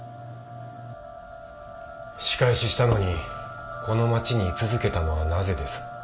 仕返ししたのにこの街に居続けたのはなぜです？